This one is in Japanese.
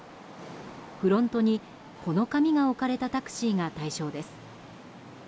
フロントにこの紙が置かれたタクシーが対象です。